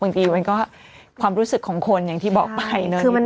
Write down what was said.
บางทีมันก็ความรู้สึกของคนอย่างที่บอกไปเนอะ